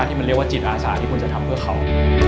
ที่มันเรียกว่าจิตอาสาที่คุณจะทำเพื่อเขา